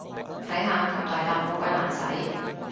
睇下，咁大撻好鬼難洗